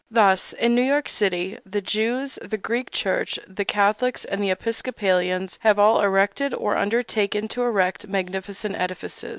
Thus, in New York city, the Jews, the Greek Church, the Catholics, and the Episcopalians have all erected, or undertaken to erect, magnificent edifices.